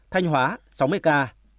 thanh hóa sáu mươi ca